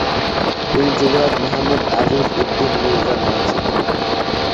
তিনি যুবরাজ মুহাম্মদ আজিজ-উদ-দীন মির্জার মা ছিলেন।